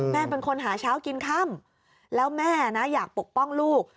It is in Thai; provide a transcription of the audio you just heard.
เป็นคนหาเช้ากินค่ำแล้วแม่นะอยากปกป้องลูก